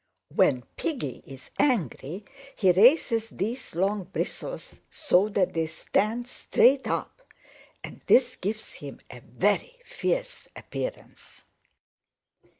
When Piggy is angry he raises these long bristles so that they stand straight up and this gives him a very fierce appearance.